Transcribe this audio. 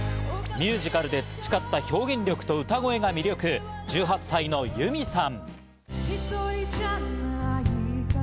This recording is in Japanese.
ミュージカルで培った表現力と歌声が魅力、１８歳の結海さん。